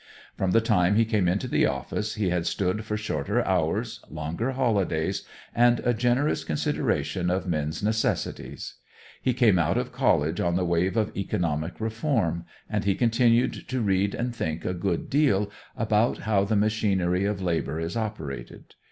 From the time he came into the office he had stood for shorter hours, longer holidays, and a generous consideration of men's necessities. He came out of college on the wave of economic reform, and he continued to read and think a good deal about how the machinery of labor is operated.